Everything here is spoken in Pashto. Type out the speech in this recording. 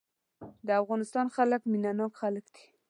د افغانستان خلک مينه ناک خلک دي.